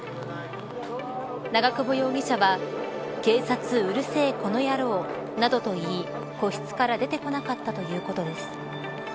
長久保容疑者は警察うるせえ、このやろうなどと言い、個室から出てこなかったということです。